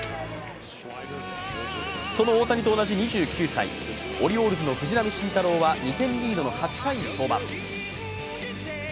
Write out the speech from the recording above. その大谷と同じ２９歳オリオールズの藤浪晋太郎は２点リードの８回に登板。